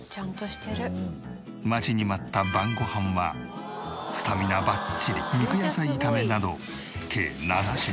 待ちに待った晩ご飯はスタミナバッチリ肉野菜炒めなど計７品。